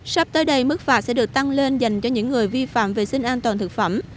sắp tới đây mức phạt sẽ được tăng lên dành cho những người vi phạm vệ sinh an toàn thực phẩm